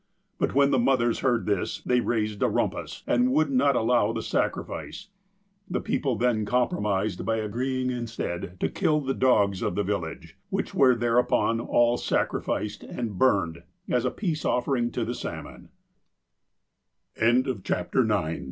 But when the mothers heard this, they raised a rumpus, and would not allow the sacrifice. The people then compromised by agreeing, instead, to kill the dogs of the village, which were thereupon all sacri ficed and burned a